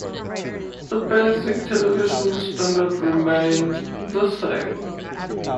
The basic television standard remained the same.